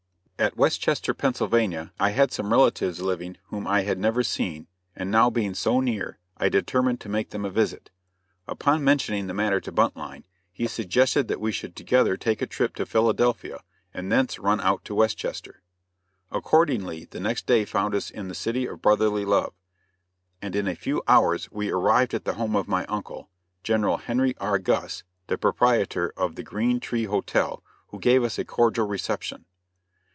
At Westchester, Pennsylvania, I had some relatives living whom I had never seen, and now being so near, I determined to make them a visit. Upon mentioning the matter to Buntline, he suggested that we should together take a trip to Philadelphia, and thence run out to Westchester. Accordingly the next day found us in the "City of Brotherly Love," and in a few hours we arrived at the home of my uncle, General Henry R. Guss, the proprietor of the Green Tree Hotel, who gave us a cordial reception.